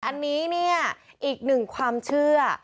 อันนี้เนี่ยอีกหนึ่งความเชื่อ